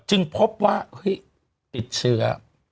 จึงพบว่าติดเชื้อ